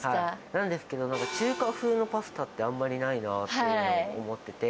なんですけど、なんか中華風のパスタってあんまりないなって思ってて。